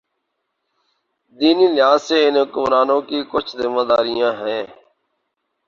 دینی لحاظ سے ان حکمرانوں کی کچھ ذمہ داریاں ہیں۔